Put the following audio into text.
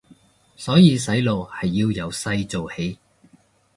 所以洗腦係要由細做起